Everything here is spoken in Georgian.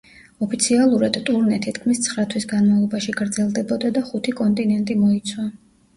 ოფიციალურად, ტურნე თითქმის ცხრა თვის განმავლობაში გრძელდებოდა და ხუთი კონტინენტი მოიცვა.